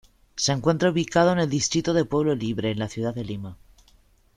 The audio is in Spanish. Se encuentra ubicado en el distrito de Pueblo Libre en la ciudad de Lima.